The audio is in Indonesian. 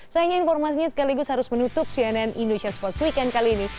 sayangnya informasinya sekaligus harus menutup cnn indonesia sports weekend kali ini